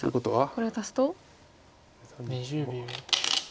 これを足すと。